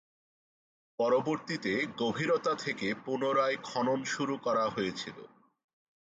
পরবর্তিতে গভীরতা থেকে পুনরায় খনন শুরু করা হয়েছিল।